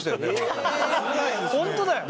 本当だよ。